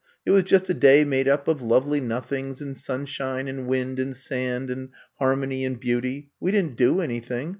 It was just a day made up of lovely nothings, and sunshine and wind and sand and har mony and beauty. We did n 't do anything.